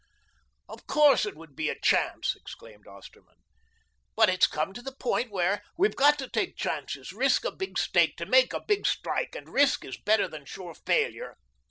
"Of course, it would be a chance," exclaimed Osterman. "But it's come to the point where we've got to take chances, risk a big stake to make a big strike, and risk is better than sure failure."